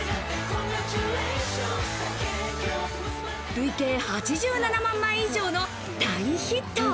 累計８７万枚以上の大ヒット。